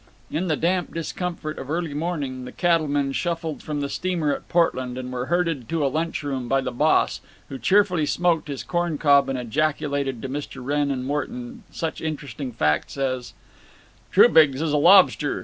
In the damp discomfort of early morning the cattlemen shuffled from the steamer at Portland and were herded to a lunch room by the boss, who cheerfully smoked his corn cob and ejaculated to Mr. Wrenn and Morton such interesting facts as: "Trubiggs is a lobster.